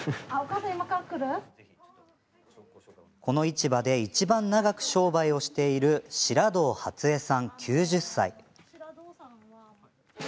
この市場でいちばん長く商売をしている志良堂初枝さん、９０歳。